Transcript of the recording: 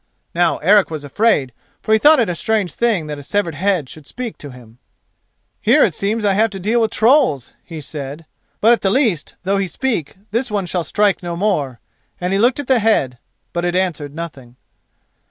Now Eric was afraid, for he thought it a strange thing that a severed head should speak to him. "Here it seems I have to deal with trolls," he said; "but at the least, though he speak, this one shall strike no more," and he looked at the head, but it answered nothing.